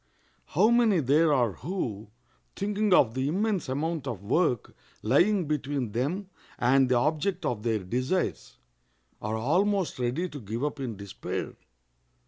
How many there are who, thinking of the immense amount of work lying between them and the object of their desires, are almost ready to give up in despair!